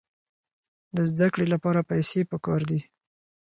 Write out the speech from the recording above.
د زده کړې لپاره پیسې پکار دي.